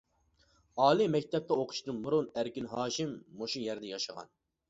ئالىي مەكتەپتە ئوقۇشتىن بۇرۇن، ئەركىن ھاشىم مۇشۇ يەردە ياشىغان.